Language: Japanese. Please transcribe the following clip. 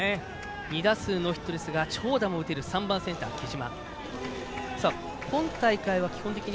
２打数ノーヒットですが長打も打てる３番センター木嶋。